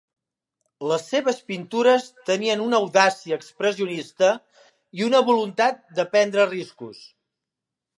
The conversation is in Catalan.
Les seves pintures tenien una audàcia expressionista i una voluntat de prendre riscos.